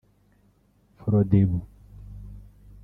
Frodebu